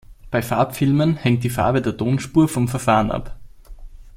Bei Farbfilmen hängt die Farbe der Tonspur vom Verfahren ab.